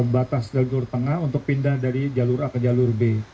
batas jalur tengah untuk pindah dari jalur a ke jalur b